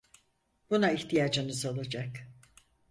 Buna ihtiyacınız olacak.